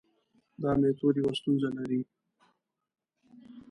دا میتود یوه ستونزه لري.